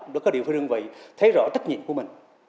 nó có điều phương vị thấy rõ trách nhiệm của mình